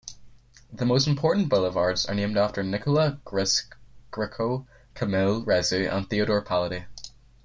The most important boulevards are named after Nicolae Grigorescu, Camil Ressu and Theodor Pallady.